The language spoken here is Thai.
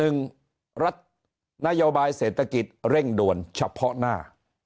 รัฐนโยบายเศรษฐกิจเร่งด่วนเฉพาะหน้า